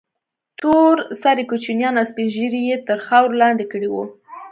تور سرې كوچنيان او سپين ږيري يې تر خاورو لاندې كړي وو.